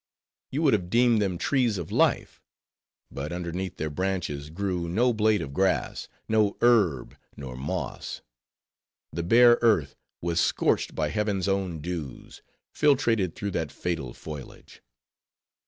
You would have deemed them Trees of Life; but underneath their branches grew no blade of grass, no herb, nor moss; the bare earth was scorched by heaven's own dews, filtrated through that fatal foliage.